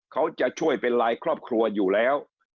เขาจะช่วยเป็นลายครอบครัวอยู่แล้ว